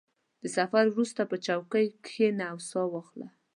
• د سفر وروسته، په چوکۍ کښېنه او سا واخله.